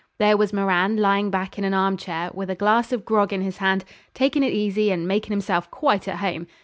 There was Moran lying back in an arm chair, with a glass of grog in his hand, takin' it easy and makin' himself quite at home.